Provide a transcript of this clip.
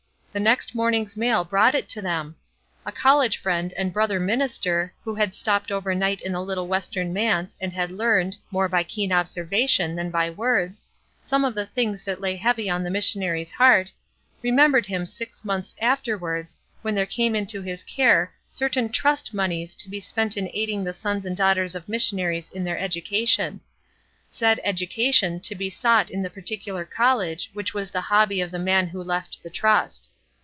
The next morning's mail brought it to them. A college friend and brother minister who had stopped over night in the little Western manse and had learned, more by keen observation than by words, some of the things that lay heavy on the missionary's heart, remembered him 60 ESTER RIED'S NAMESAKE six months afterwards when there came into his care certain trust moneys to be spent m aiding the sons and daughters of missionaries i^thdr education; said education to be sought in the particular coUege which was the hobby of the man who left the trust.